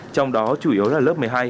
trong đó chủ yếu là lớp một mươi hai